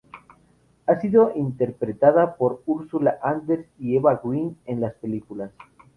Ha sido interpretada por Ursula Andress y Eva Green en las películas.